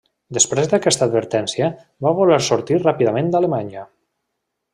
Després d'aquesta advertència va voler sortir ràpidament d'Alemanya.